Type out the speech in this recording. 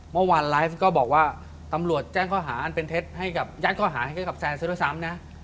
เมื่อวานไลฟ์ก็บอกว่าตำรวจแจ้งข้อหาอันเป็นเท็จให้กับยัดข้อหาให้กับแซนซะด้วยซ้ำนะ